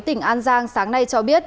tỉnh an giang sáng nay cho biết